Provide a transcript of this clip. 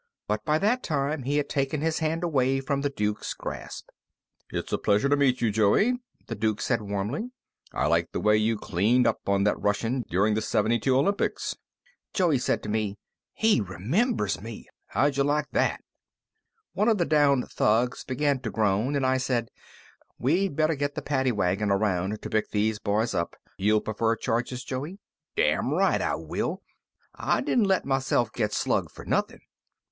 But by that time he had taken his hand away from the Duke's grasp. "It's a pleasure to meet you, Joey," the Duke said warmly. "I liked the way you cleaned up on that Russian during the '72 Olympics." Joey said to me, "He remembers me! How d'ya like that?" One of the downed thugs began to groan, and I said, "We'd better get the paddy wagon around to pick these boys up. You'll prefer charges, Joey?" "Damn right I will! I didn't let myself get slugged for nothing!"